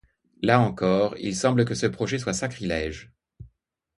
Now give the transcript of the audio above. Là encore, il semble que ce projet soit sacrilège.